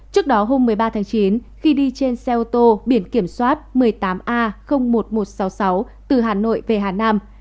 trước đó hôm một mươi ba tháng chín khi đi trên xe ô tô biển kiểm soát một mươi tám a một nghìn một trăm sáu mươi sáu từ hà nội về hà nam